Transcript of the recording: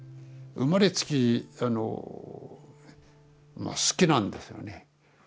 生まれつきあのまあ好きなんですよね。